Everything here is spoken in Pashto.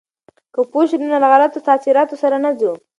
که پوه شو، نو له غلطو تاثیراتو سره نه ځو.